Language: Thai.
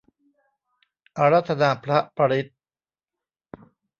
อาราธนาพระปริตร